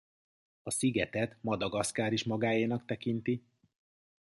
A szigetet Madagaszkár is magáénak tekinti.